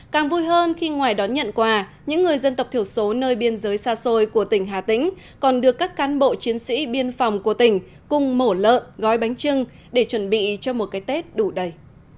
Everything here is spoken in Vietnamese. càng vui hơn khi ngoài đón nhận quà những người dân tộc thiểu số nơi biên giới xa xôi của tỉnh hà tĩnh còn được các cán bộ chiến sĩ biên phòng của tỉnh cùng mổ lợn gói bánh trưng để chuẩn bị cho một cái tết đủ đầy